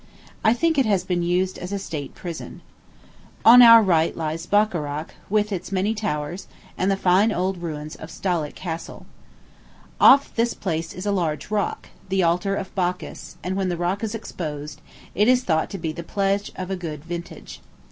I think it has been used as a state prison. On our right lies Bacharach, with its many towers, and the fine old ruins of Stahleck Castle. Off this place is a large rock, the Altar of Bacchus; and when the rock is exposed, it is thought to be the pledge of a good vintage.